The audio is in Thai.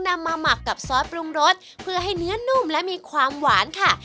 นำมาหมักกับซอสปรุงรสเพื่อให้เนื้อนุ่มและมีความหวานค่ะ